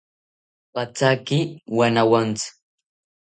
Pathaki wanawontzi